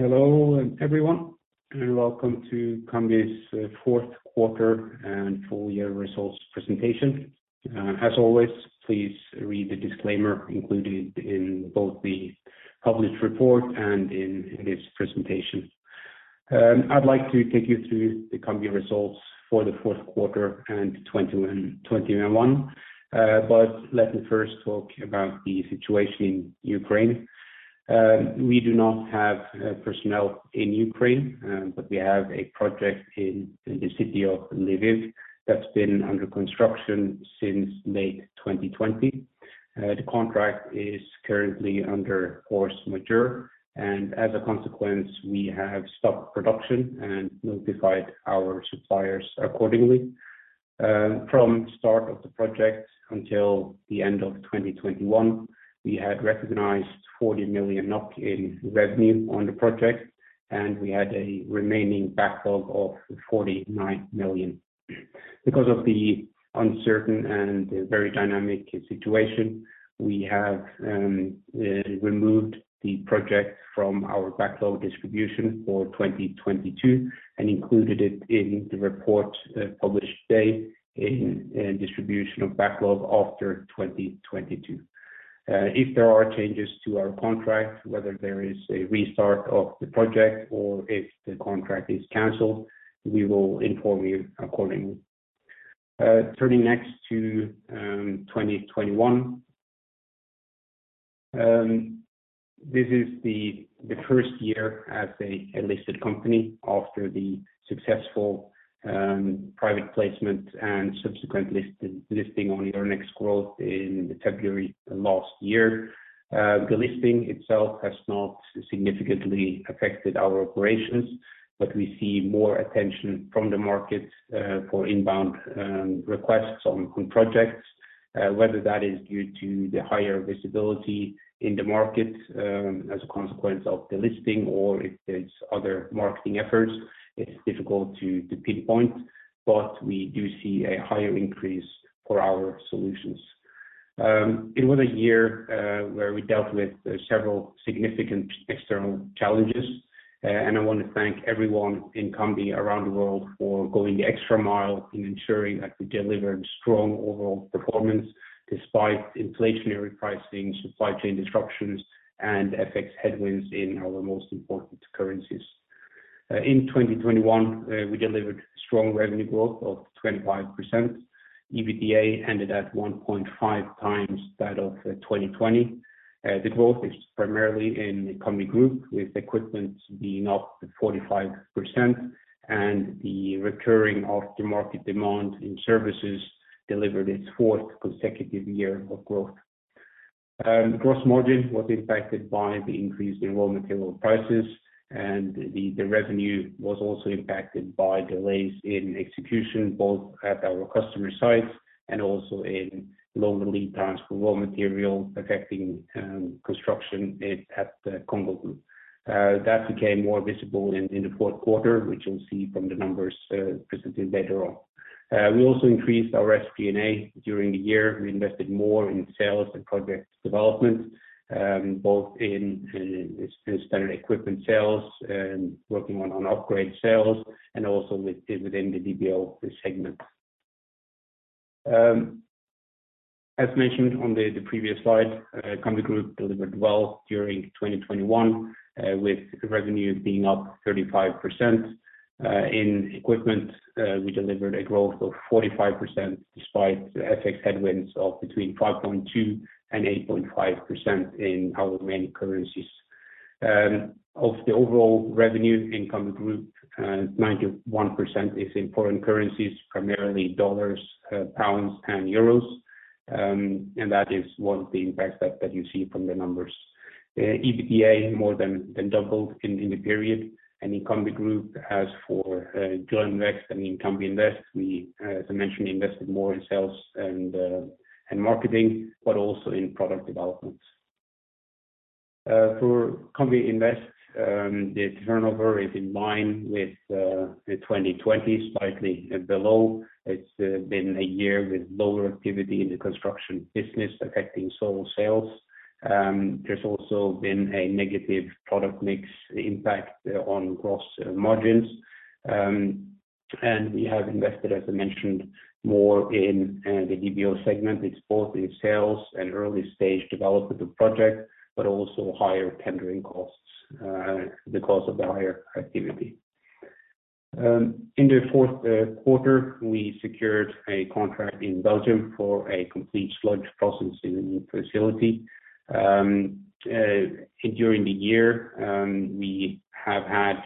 Hello everyone, and Welcome to Cambi's Fourth Quarter and Full Year Results Presentation. As always, please read the disclaimer included in both the published report and in this presentation. I'd like to take you through the Cambi results for the fourth quarter and full year 2021. But let me first talk about the situation in Ukraine. We do not have personnel in Ukraine, but we have a project in the city of Lviv that's been under construction since late 2020. The contract is currently under force majeure, and as a consequence, we have stopped production and notified our suppliers accordingly. From start of the project until the end of 2021, we had recognized 40 million NOK in revenue on the project, and we had a remaining backlog of 49 million. Because of the uncertain and very dynamic situation, we have removed the project from our backlog distribution for 2022 and included it in the report published today in distribution of backlog after 2022. If there are changes to our contract, whether there is a restart of the project or if the contract is canceled, we will inform you accordingly. Turning next to 2021. This is the first year as a listed company after the successful private placement and subsequent listing on Euronext Growth in February last year. The listing itself has not significantly affected our operations, but we see more attention from the market for inbound requests on projects. Whether that is due to the higher visibility in the market, as a consequence of the listing or if it's other marketing efforts, it's difficult to pinpoint, but we do see a higher increase for our solutions. It was a year where we dealt with several significant external challenges, and I want to thank everyone in Cambi around the world for going the extra mile in ensuring that we delivered strong overall performance despite inflationary pricing, supply chain disruptions, and FX headwinds in our most important currencies. In 2021, we delivered strong revenue growth of 25%. EBITDA ended at 1.5x that of 2020. The growth is primarily in Cambi Group, with equipment being up 45% and the recurring aftermarket demand in services delivered its fourth consecutive year of growth. Gross margin was impacted by the increased raw material prices, and the revenue was also impacted by delays in execution, both at our customer sites and also in longer lead times for raw material affecting construction at the Cambi Group. That became more visible in the fourth quarter, which you'll see from the numbers presented later on. We also increased our SG&A during the year. We invested more in sales and project development, both in standard equipment sales and working on upgrade sales and also within the DBO segment. As mentioned on the previous slide, Cambi Group delivered well during 2021, with revenue being up 35%. In equipment, we delivered a growth of 45%, despite FX headwinds of between 5.2% and 8.5% in our main currencies. Of the overall revenue in Cambi Group, 91% is in foreign currencies, primarily dollars, pounds, and euros. That is one of the impacts that you see from the numbers. EBITDA more than doubled in the period in Cambi Group. As for Grønn Vekst and Cambi Invest, we, as I mentioned, invested more in sales and marketing, but also in product development. For Cambi Invest, the turnover is in line with 2020, slightly below. It's been a year with lower activity in the construction business affecting total sales. There's also been a negative product mix impact on gross margins. We have invested, as I mentioned, more in the DBO segment. It's both in sales and early-stage development of projects, but also higher tendering costs because of the higher activity. In the fourth quarter, we secured a contract in Belgium for a complete sludge processing facility. During the year, we have had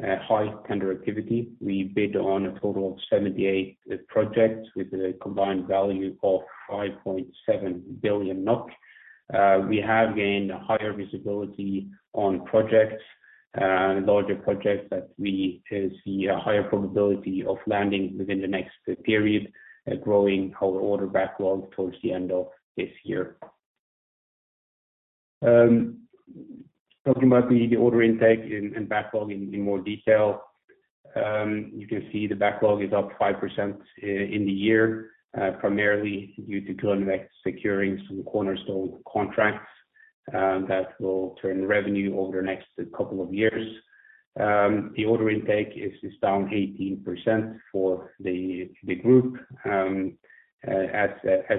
high tender activity. We bid on a total of 78 projects with a combined value of 5.7 billion NOK. We have gained higher visibility on projects, larger projects that we see a higher probability of landing within the next period, growing our order backlog towards the end of this year. Talking about the order intake and backlog in more detail. You can see the backlog is up 5% in the year, primarily due to Grønn Vekst securing some cornerstone contracts that will turn revenue over the next couple of years. The order intake is down 18% for the group. As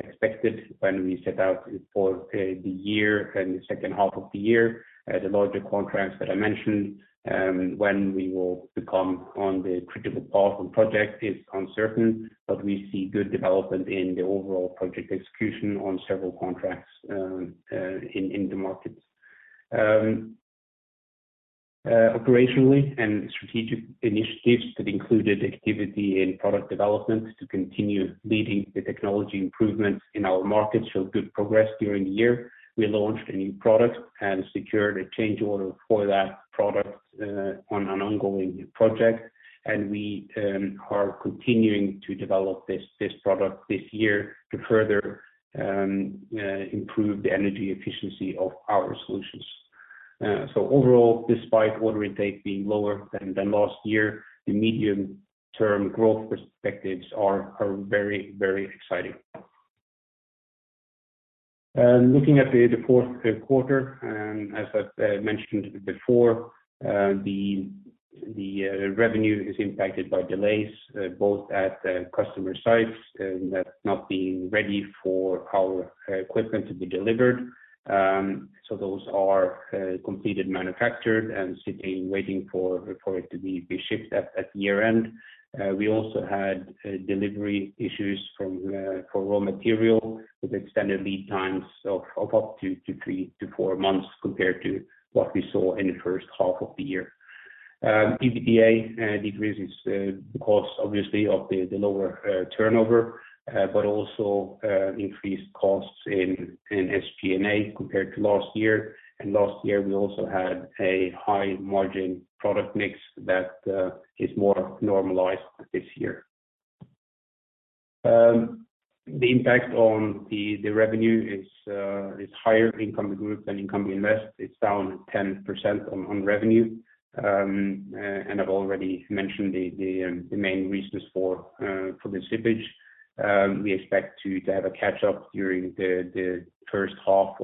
expected when we set out for the year and the second half of the year. The larger contracts that I mentioned, when we will be on the critical path for projects is uncertain, but we see good development in the overall project execution on several contracts in the markets. Our operational and strategic initiatives that included activity in product development to continue leading the technology improvements in our markets showed good progress during the year. We launched a new product and secured a change order for that product on an ongoing project. We are continuing to develop this product this year to further improve the energy efficiency of our solutions. Overall, despite order intake being lower than last year, the medium-term growth perspectives are very exciting. Looking at the fourth quarter, as I've mentioned before, the revenue is impacted by delays both at customer sites that's not being ready for our equipment to be delivered. Those are completed, manufactured, and sitting waiting for it to be shipped at year-end. We also had delivery issues for raw material with extended lead times of up to two to three to four months compared to what we saw in the first half of the year. EBITDA decreases because obviously of the lower turnover but also increased costs in SG&A compared to last year. Last year, we also had a high margin product mix that is more normalized this year. The impact on the revenue is higher in Cambi Group than in Cambi Invest. It's down 10% on revenue. I've already mentioned the main reasons for the slippage. We expect to have a catch-up during the first half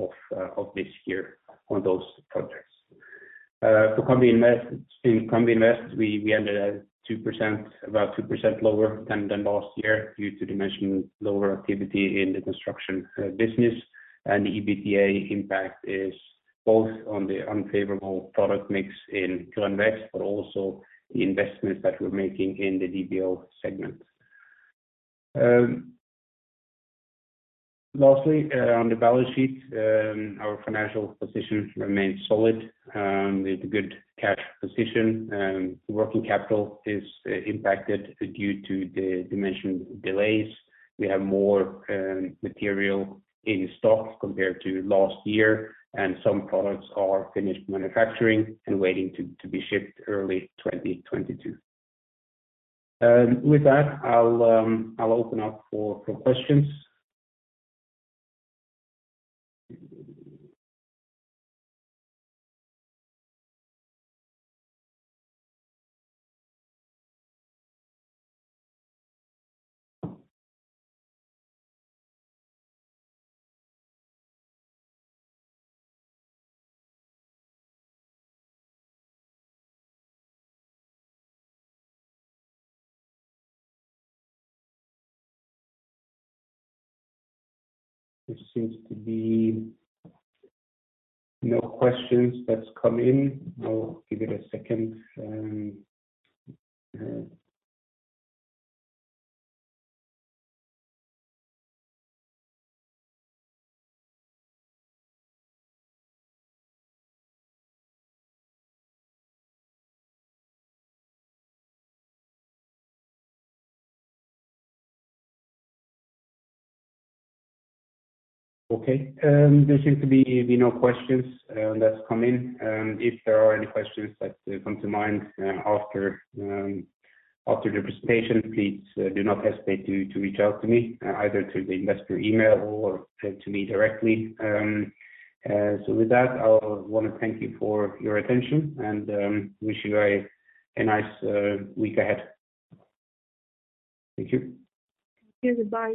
of this year on those projects. For Cambi Invest, we ended at 2%, about 2% lower than last year, due to the mentioned lower activity in the construction business. The EBITDA impact is both on the unfavorable product mix in Grønn Vekst, but also the investments that we're making in the DBO segment. Last, on the balance sheet, our financial position remains solid, with a good cash position. Working capital is impacted due to the mentioned delays. We have more material in stock compared to last year, and some products are finished manufacturing and waiting to be shipped early 2022. With that, I'll open up for questions. There seems to be no questions that's come in. I'll give it a second. Okay. There seems to be no questions that's come in. If there are any questions that come to mind after the presentation, please do not hesitate to reach out to me, either to the investor email or to me directly. With that, I want to thank you for your attention and wish you a nice week ahead. Thank you. Thank you. Bye